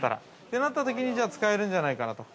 となったときに、使えるんじゃないかなと。